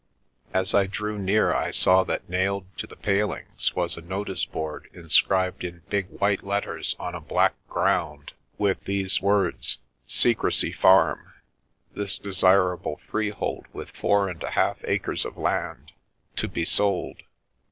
As I drew near I saw that nailed to the palings was a notice board inscribed in big, white letters on a black ground, with these words :" Secrecy Farm. This de sirable freehold with four and a half acres of land, to be sold.